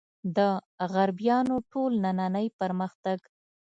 د غربیانو ټول نننۍ پرمختګ.